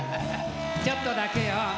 ちょっとだけよ。